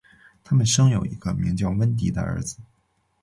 他们生有一个名叫温蒂的儿子。